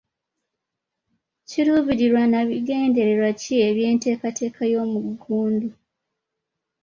Kiruubirirwa na bigendererwa ki eby'enteekateeka ey'omuggundu?